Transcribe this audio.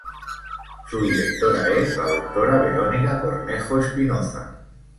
Su directora es la Doctora Verónica Cornejo Espinoza.